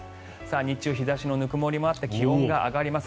日中日差しのぬくもりもあって気温も上がります。